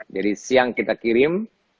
jadi siang kita kirim